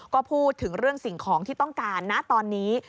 ก็พูดถึงเรื่องสิ่งของที่ต้องการนะตอนนี้